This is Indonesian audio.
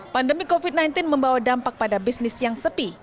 pandemi covid sembilan belas membawa dampak pada bisnis yang sepi